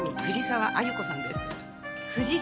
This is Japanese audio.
藤沢亜由子さん？